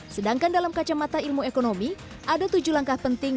sedangkan dalam kacamata ilmu ekonomi ada tujuh langkah penting